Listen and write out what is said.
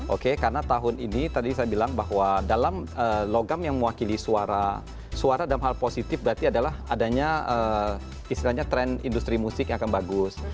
oke karena tahun ini tadi saya bilang bahwa dalam logam yang mewakili suara suara dalam hal positif berarti adalah adanya istilahnya tren industri musik yang akan bagus